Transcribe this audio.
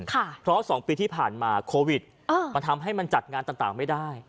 เพราะ๒ปีที่ผ่านมาโควิดมันทำให้มันจัดงานต่างไม่ได้